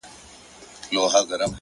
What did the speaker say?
د رمز خبره يې د سونډو په موسکا کي نسته